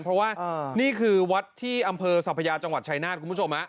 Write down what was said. เพราะว่านี่คือวัดที่อำเภอสัพยาจังหวัดชายนาฏคุณผู้ชม